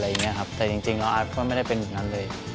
อิทธิวัลค่ะแล้วก็ก็ไม่ได้เป็นหนุ่นนั้นเลย